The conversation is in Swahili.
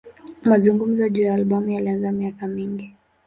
Mazungumzo juu ya albamu yalianza miaka mingi.